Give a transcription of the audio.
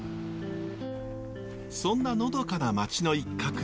そんなのどかな町の一角に。